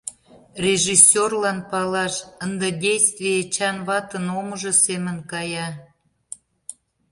Режиссёрлан палаш: ынде действий ЭЧАН ВАТЫН ОМЫЖО семын кая.